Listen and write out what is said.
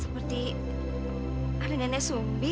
seperti ada nenek sumbi